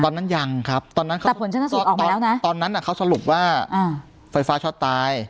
ตอนนั้นยังครับแต่ผลชนสูตรออกมาแล้วนะตอนนั้นเขาสรุปว่าไฟฟ้าชอดตาย